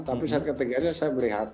tapi set ke tiga nya saya melihat